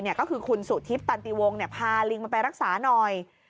แล้วก็คือคุณสูติพตันตีวงศ์พาลิงมาไปรักษาหน่อย